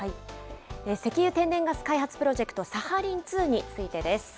石油・天然ガス開発プロジェクト、サハリン２についてです。